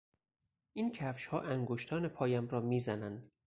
این کفشها انگشتان پایم را میزنند.